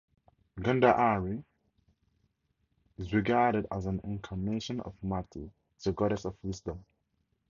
Gandhari is regarded as an incarnation of Mati, the goddess of wisdom.